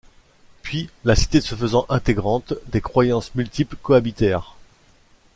Puis, la cité se faisant intégrante, des croyances multiples cohabitèrent.